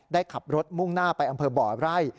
ได้ขับรถมุ่งหน้าไปอำเภอบ่อไร่